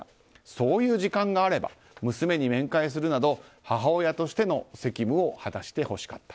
そういう時間があれば娘に面会するなど母親としての責務を果たしてほしかった。